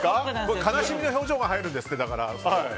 悲しみの表情が入るんですって。